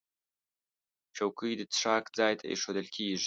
چوکۍ د څښاک ځای ته ایښودل کېږي.